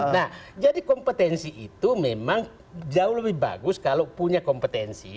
nah jadi kompetensi itu memang jauh lebih bagus kalau punya kompetensi